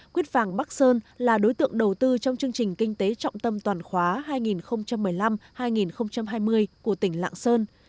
quýt vàng bắc sơn là đối tượng đầu tư trong chương trình kinh tế trọng tâm toàn khóa hai nghìn một mươi năm hai nghìn hai mươi của tỉnh lạng sơn